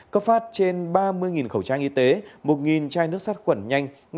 cấp phát trên ba mươi khẩu trang y tế một chai nước sát quẩn nhanh